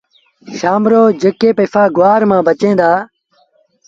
شآم رو جيڪي پئيٚسآ گُوآر مآݩ بچيٚن دآ